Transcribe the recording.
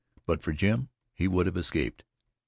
But for Jim, he would have escaped.